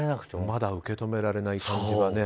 まだ受け止められない感じはね。